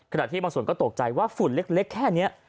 ที่บางส่วนก็ตกใจว่าฝุ่นเล็กแค่นี้